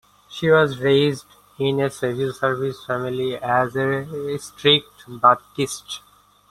She was raised in a civil service family as a Strict Baptist.